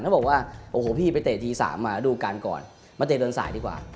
เขาบอกว่าโอ้โหพี่ไปเตะตี๓มาดูการก่อนมาเตะเดินสายดีกว่า